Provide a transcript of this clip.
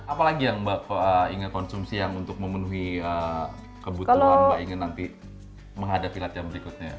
apalagi yang mbak ingin konsumsi yang untuk memenuhi kebutuhan mbak ingin nanti menghadapi latihan berikutnya